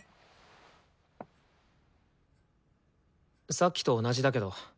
さっきと同じだけど。